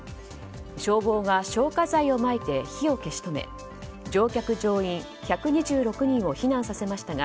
消防が消火剤をまいて火を消し止め乗客・乗員１２６人を避難させましたが